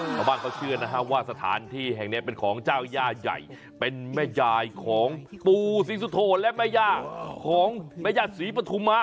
ชาวบ้านเขาเชื่อนะฮะว่าสถานที่แห่งนี้เป็นของเจ้าย่าใหญ่เป็นแม่ยายของปู่ศรีสุโธและแม่ย่าของแม่ญาติศรีปฐุมา